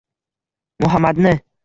Muhammadni